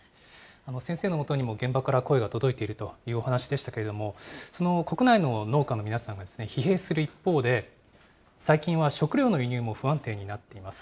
先生のもとにも現場から声が届いているというお話でしたけれども、その国内の農家の皆さんが、疲弊する一方で、最近は食料の輸入も不安定になっています。